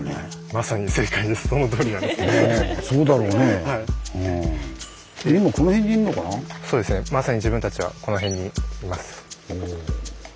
まさに自分たちはこの辺にいます。